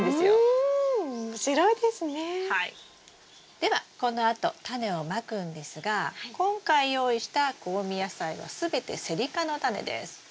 ではこのあとタネをまくんですが今回用意した香味野菜は全てセリ科のタネです。